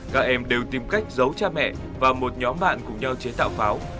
các em đều tìm cách giấu cha mẹ và một nhóm bạn cùng nhau chế tạo pháo